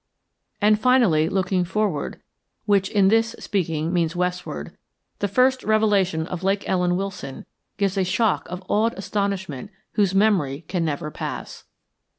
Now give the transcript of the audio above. And finally, looking forward, which in this speaking means westward, the first revelation of Lake Ellen Wilson gives a shock of awed astonishment whose memory can never pass.